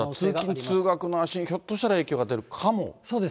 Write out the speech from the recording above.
通勤・通学の足にひょっとしたら影響が出るかもしれないです